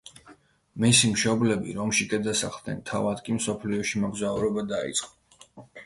მისი მშობლები რომში გადასახლდნენ, თავად კი მსოფლიოში მოგზაურობა დაიწყო.